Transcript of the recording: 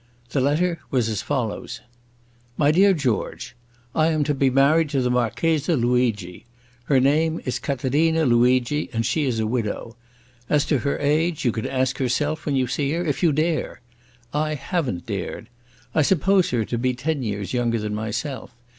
The letter was as follows: "My dear George, "I am to be married to the Marchesa Luigi. Her name is Catarina Luigi, and she is a widow. As to her age, you can ask herself when you see her, if you dare. I haven't dared. I suppose her to be ten years younger than myself.